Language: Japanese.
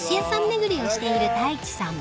巡りをしている太一さん］